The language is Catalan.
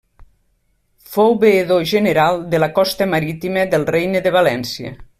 Fou veedor general de la costa marítima del Regne de València.